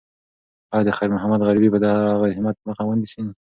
ایا د خیر محمد غریبي به د هغه د همت مخه ونیسي؟